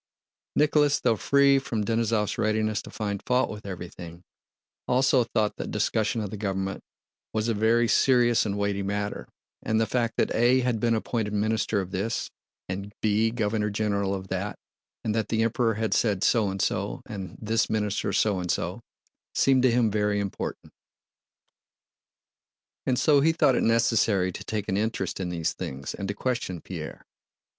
Nicholas, though free from Denísov's readiness to find fault with everything, also thought that discussion of the government was a very serious and weighty matter, and the fact that A had been appointed Minister of This and B Governor General of That, and that the Emperor had said so and so and this minister so and so, seemed to him very important. And so he thought it necessary to take an interest in these things and to question Pierre.